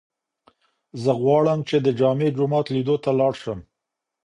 زه غواړم چې د جامع جومات لیدو ته لاړ شم.